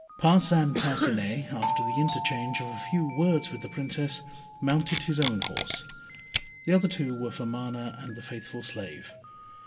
Parcin Parcinet, after the interchange of a few words with the Princess, mounted his own horse. The other two were for Mana and the faithful slave.